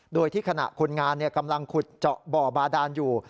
โดยที่ขณะคนงานกำลังขุดเจาะบ่อบาดานอยู่